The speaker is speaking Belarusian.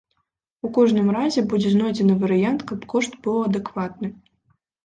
У кожным разе, будзе знойдзены варыянт, каб кошт быў адэкватны.